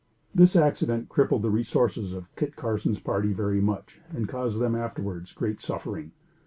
This accident crippled the resources of Kit Carson's party very much and caused them afterwards great suffering.